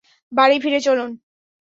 বাড়ি ফিরে চলুন।